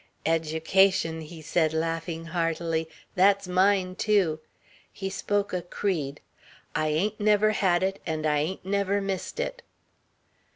"Education," he said laughing heartily. "That's mine, too." He spoke a creed. "I ain't never had it and I ain't never missed it."